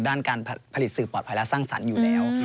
ด้านการผลิตสื่อปลอดภัยและสร้างสรรค์อยู่แล้ว